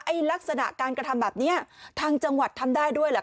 ลักษณะการกระทำแบบนี้ทางจังหวัดทำได้ด้วยเหรอค